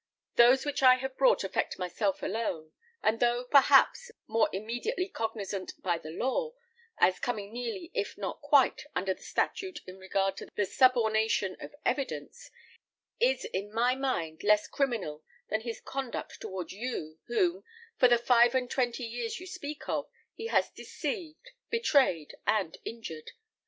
Those which I have brought affect myself alone; and though, perhaps, more immediately cognizant by the law, as coming nearly, if not quite, under the statute in regard to the subornation of evidence, is in my mind less criminal than his conduct towards you, whom, for the five and twenty years you speak of, he has deceived, betrayed, and injured.